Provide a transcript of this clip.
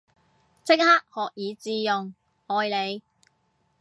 即刻學以致用，愛你